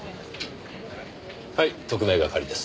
はい特命係です。